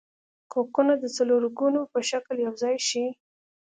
کوکونه د څلورګونو په شکل یوځای شي.